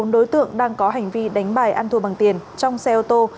bốn đối tượng đang có hành vi đánh bài ăn thua bằng tiền trong xe ô tô